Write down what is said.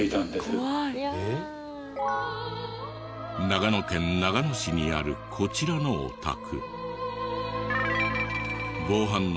長野県長野市にあるこちらのお宅。